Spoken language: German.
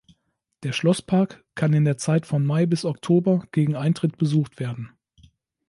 Der Schlosspark kann in der Zeit von Mai bis Oktober gegen Eintritt besucht werden.